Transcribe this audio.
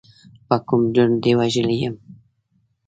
په کوم جرم دې وژلی یم.